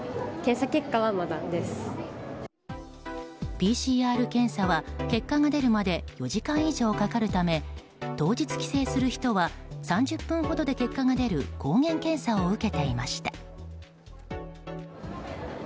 ＰＣＲ検査は結果が出るまで４時間以上かかるため当日、帰省する人は３０分ほどで結果が出る抗原検査を受けていました。